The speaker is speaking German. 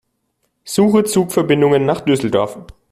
Suche Zugverbindungen nach Düsseldorf.